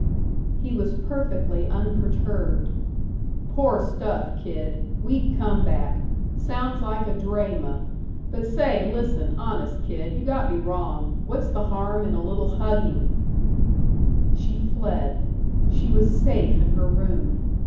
He was perfectly unperturbed: "Poor stuff, kid. Weak come back. Sounds like a drayma. But, say, listen, honest, kid, you got me wrong. What's the harm in a little hugging " She fled. She was safe in her room.